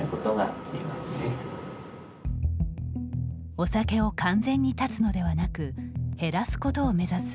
お酒を完全に断つのではなく減らすことを目指す